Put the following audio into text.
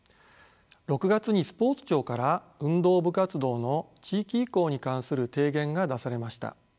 ６月にスポーツ庁から運動部活動の地域移行に関する提言が出されました。